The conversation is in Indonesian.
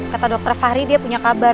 kata dokter fahri dia punya kabar